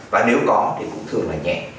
và nếu có thì cũng thường là nhẹ